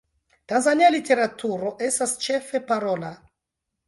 Tanzania literaturo estas ĉefe parola.